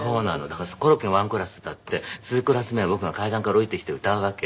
だからコロッケが１コーラス歌って２コーラス目は僕が階段から下りてきて歌うわけ。